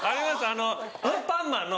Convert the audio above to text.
あの『アンパンマン』の